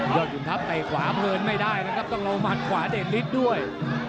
ยอดขุมทัพไปขวาเพลินไม่ได้นะครับต้องลงมาขวาเด็ดฤทธิ์ด้วย